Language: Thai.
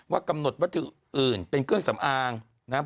ว่ากำหนดว็ทิอื่นเป็นเครื่องสำอางนะฮะ